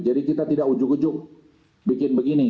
kita tidak ujuk ujuk bikin begini